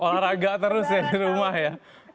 olahraga terus ya di rumah ya